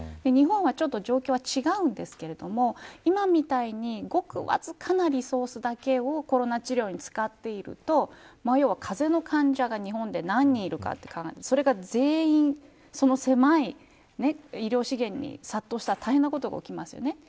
日本はちょっと状況が違うんですけれども今みたいにごくわずかなリソースだけをコロナ治療に使っていると風邪の患者が日本で何人いるかと考えたらそれが全員、その狭い医療資源に殺到したら大変なことが起きますよね。